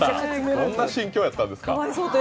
どんな心境やったんですか？